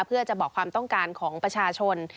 เพื่อจะบอกความต้องการของประชาชน